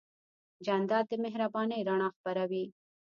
جانداد د مهربانۍ رڼا خپروي.